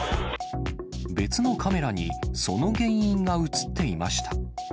別のカメラに、その原因が写っていました。